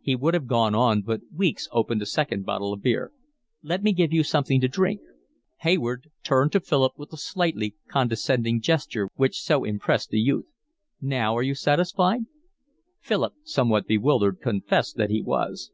He would have gone on, but Weeks opened a second bottle of beer. "Let me give you something to drink." Hayward turned to Philip with the slightly condescending gesture which so impressed the youth. "Now are you satisfied?" he asked. Philip, somewhat bewildered, confessed that he was.